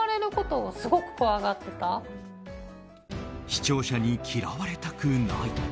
視聴者に嫌われたくない。